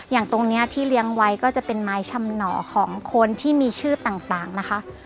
อย่างตรงนี้ที่เลี้ยงไว้ก็จะเป็นไม้ชำหน่อของคนที่มีชื่อต่างนะคะ